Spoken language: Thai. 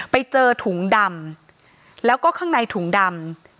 ไปเจอถุงดำแล้วก็ข้างในถุงดำ